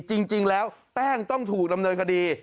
จริงแล้วแป้งต้องถูกดำเนินคดี